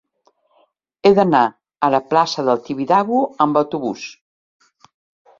He d'anar a la plaça del Tibidabo amb autobús.